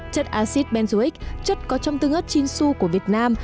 chất acid benzoic chất có trong tương ớt chinsu của việt nam